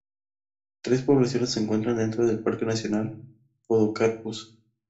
Tres poblaciones se encuentran dentro del Parque nacional Podocarpus.